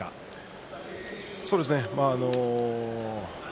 そうですね。